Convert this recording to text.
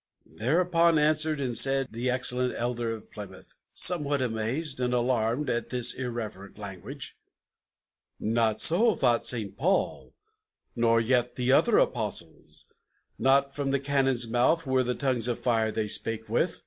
Thereupon answered and said the excellent Elder of Plymouth, Somewhat amazed and alarmed at this irreverent language: "Not so thought St. Paul, nor yet the other Apostles; Not from the cannon's mouth were the tongues of fire they spake with!"